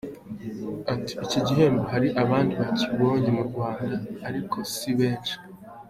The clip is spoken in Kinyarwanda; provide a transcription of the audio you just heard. Ati” Iki gihembo hari abandi bakibonye mu Rwanda ariko si benshi.